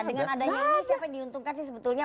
dengan adanya ini siapa yang diuntungkan sih sebetulnya